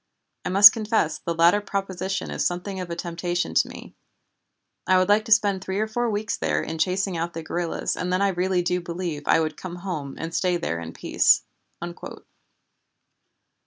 I must confess the latter proposition is something of a temptation to me. I would like to spend three or four weeks there in chasing out the guerrillas, and then I really do believe I could come home and stay there in peace."